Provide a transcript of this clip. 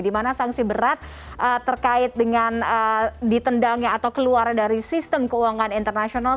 dimana sanksi berat terkait dengan ditendangnya atau keluarnya dari sistem keuangan internasional